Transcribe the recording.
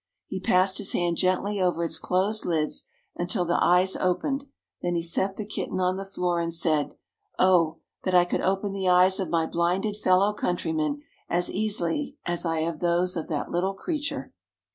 He passed his hand gently over its closed lids, until the eyes opened; then he set the kitten on the floor, and said: "Oh! that I could open the eyes of my blinded fellow countrymen as easily as I have those of that little creature!"